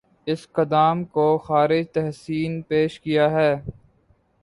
اس قدام کو خراج تحسین پیش کیا ہے